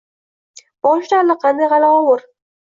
Boshida allaqanday g‘ala-g‘ovur.